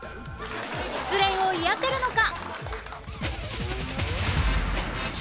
失恋を癒やせるのか！？